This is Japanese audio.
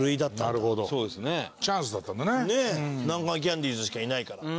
南海キャンディーズしかいないから。